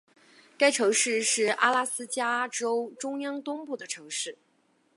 该城市是阿拉斯加州中央东部的城市。